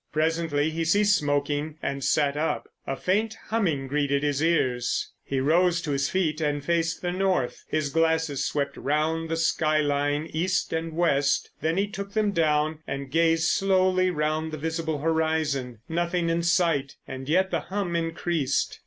Presently he ceased smoking and sat up. A faint humming greeted his ears! He rose to his feet and faced the north; his glasses swept round the skyline east and west—then he took them down and gazed slowly round the visible horizon. Nothing in sight, and yet the hum increased.